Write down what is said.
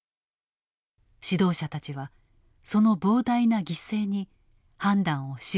指導者たちはその膨大な犠牲に判断を縛られていた。